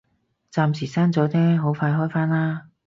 暫時閂咗啫，好快開返啦